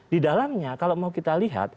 di dalamnya kalau mau kita lihat